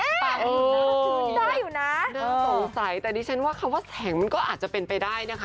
ได้อยู่นะน่าสงสัยแต่ดิฉันว่าคำว่าแสงมันก็อาจจะเป็นไปได้นะคะ